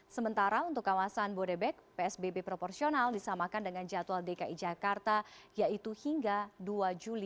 sementara untuk kawasan bodebek psbb proporsional disamakan dengan jadwal dki jakarta yaitu hingga dua juli dua ribu dua puluh